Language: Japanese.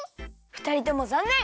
ふたりともざんねん！